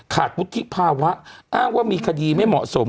วุฒิภาวะอ้างว่ามีคดีไม่เหมาะสม